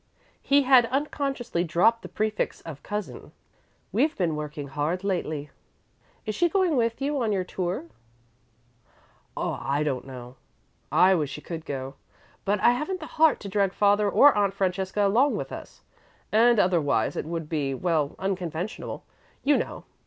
He had unconsciously dropped the prefix of "Cousin." "We've been working hard lately." "Is she going with you on your tour?" "I don't know. I wish she could go, but I haven't the heart to drag father or Aunt Francesca along with us, and otherwise, it would be well, unconventional, you know.